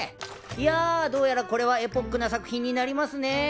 いやどうやらこれはエポックな作品になりますね。